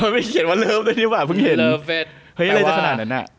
ไม่เห็นว่าเลิฟด้วยเนี่ยวะเพิ่งเห็นเอ้ยอะไรเฦียงแสสนานนั้นอ่ะ